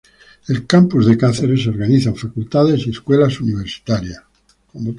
El Campus de Cáceres se organiza en facultades y escuelas universitarias.